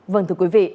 vâng thưa quý vị